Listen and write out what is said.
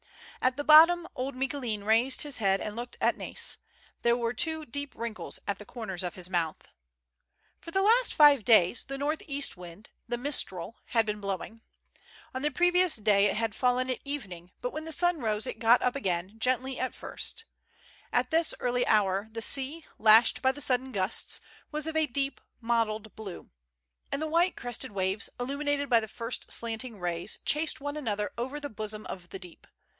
At the bottom old Micoulin raised his head and looked at Nais ; there were two deep wrinkles at the corners of his mouth. For the last five days the north east wind, the mistral, had been blowing. On the previous day it had fallen at evening, but when the sun rose it got up again, gently at first, j^t this early hour the sea, lashed by the sudden gusts, was of a deep, mottled blue; and the white crested waves, illuminated by the first slanting rays, chased one another over the bosom of the deep.